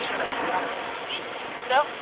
تور دي کړم بدرنګ دي کړم نقيب ملنګ، ملنګ دي کړم